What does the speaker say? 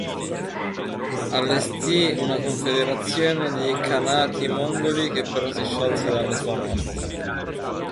Allestì una confederazione di Khanati Mongoli che però si sciolse alla sua morte.